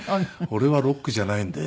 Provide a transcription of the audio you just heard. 俺はロックじゃないので。